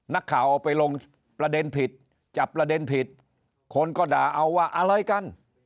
นักข่าวเอาไปลงประเด็นผิดจับประเด็นผิดคนก็ด่าเอาว่าอะไรกัน